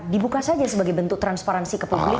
dibuka saja sebagai bentuk transparansi ke publik